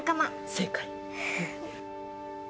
正解！